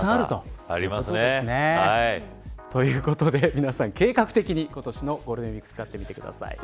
皆さん、計画的に今年のゴールデンウイークを使ってください。